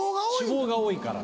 脂肪が多いから。